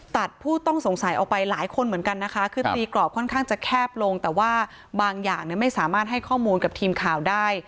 ตัดผู้ต้องสงสัยออกไปหลายคนเหมือนกันนะคะคือตีกรอบค่อนข้างจะแคบลงแต่ว่าบางอย่างไม่สามารถให้ข้อมูลกับทีมข่าวได้